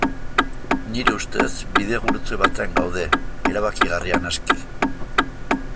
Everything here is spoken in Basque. Nire ustez, bidegurutze batean gaude, erabakigarria naski.